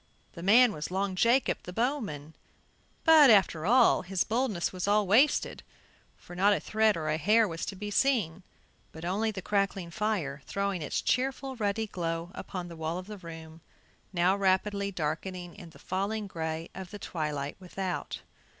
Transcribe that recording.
The man was Long Jacob, the bowman; but, after all, his boldness was all wasted, for not a thread or a hair was to be seen, but only the crackling fire throwing its cheerful ruddy glow upon the wall of the room, now rapidly darkening in the falling gray of the twilight without.